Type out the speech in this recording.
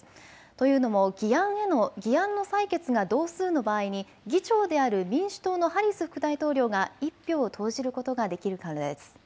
というのも議案の採決が同数の場合に議長である民主党のハリス副大統領が１票を投じることができるからです。